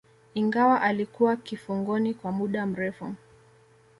ingawa alikuwa kifungoni kwa muda mrefu